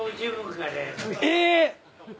え！？